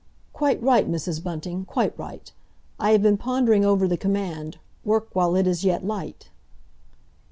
"Quite right, Mrs. Bunting—quite right! I have been pondering over the command, 'Work while it is yet light.